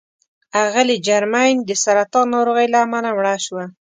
اغلې جرمین د سرطان ناروغۍ له امله مړه شوه.